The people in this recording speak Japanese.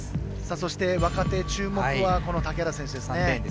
そして、若手注目は竹原選手ですね。